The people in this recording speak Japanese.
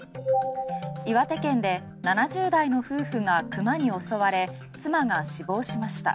岩手県で７０代の夫婦が熊に襲われ、妻が死亡しました。